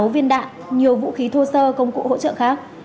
một trăm hai mươi sáu viên đạn nhiều vũ khí thô sơ công cụ hỗ trợ khác